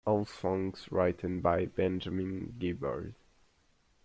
All songs written by Benjamin Gibbard.